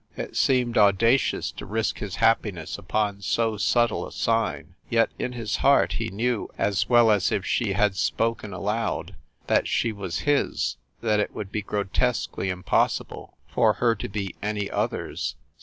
It seemed audacious to risk his happiness upon so subtle a sign, yet in his heart he knew, as well as if she had spoken aloud, that she was his, that it would be grotesquely impossible for her to be any other s.